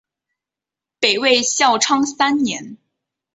北魏孝昌三年。